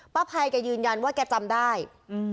ภัยแกยืนยันว่าแกจำได้อืม